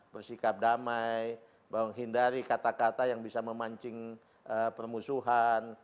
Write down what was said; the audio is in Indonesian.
bersikap damai menghindari kata kata yang bisa memancing permusuhan